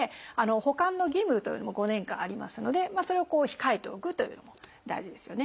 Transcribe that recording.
保管の義務というのも５年間ありますのでそれを控えておくというのも大事ですよね。